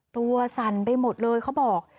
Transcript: สั่นไปหมดเลยเขาบอก